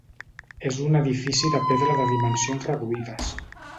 És un edifici de pedra de dimensions reduïdes.